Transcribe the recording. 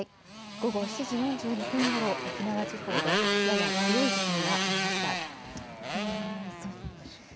午後７時４２分ごろ、沖縄地方でやや強い地震がありました。